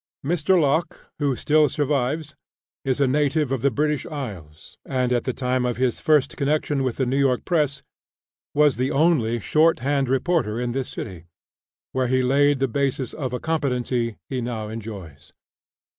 Mr. Locke, who still survives, is a native of the British Isles, and, at the time of his first connection with the New York press, was the only short hand reporter in this city, where he laid the basis of a competency he now enjoys.